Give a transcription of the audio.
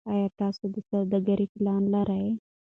ایا تاسو د سوداګرۍ پلان لرئ.